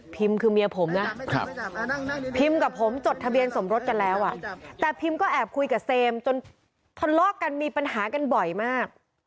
คือเมียผมนะพิมกับผมจดทะเบียนสมรสกันแล้วแต่พิมก็แอบคุยกับเซมจนทะเลาะกันมีปัญหากันบ่อยมาก